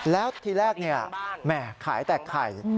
แล้วทีแรกแหมขายแต่ไข่